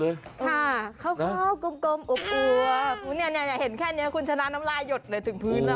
อย่าเห็นแค่นี้คุณชนะน้ำล่าหยดเลยถึงพื้นเรา